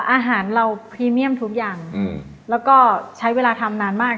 อาหารเราพรีเมียมทุกอย่างแล้วก็ใช้เวลาทำนานมาก